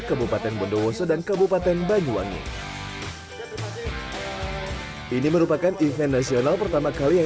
kabupaten bondowoso dan kabupaten banyuwangi ini merupakan event nasional pertama kali yang